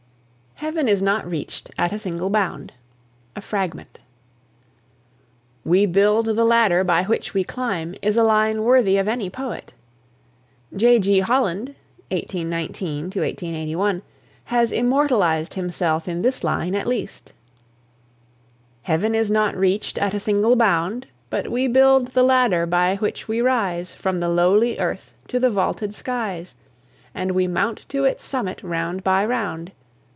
HEAVEN IS NOT REACHED AT A SINGLE BOUND. (A FRAGMENT.) "We build the ladder by which we climb" is a line worthy of any poet. J.G. Holland (1819 81) has immortalised himself in this line, at least. Heaven is not reached at a single bound, But we build the ladder by which we rise From the lowly earth to the vaulted skies, And we mount to its summit round by round.